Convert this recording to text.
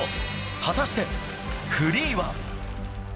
果たして、フリーは？